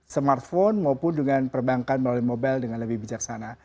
smartphone maupun dengan perbankan melalui mobile dengan lebih bijaksana